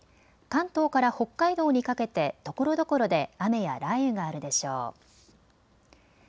関東から北海道にかけてところどころで雨や雷雨があるでしょう。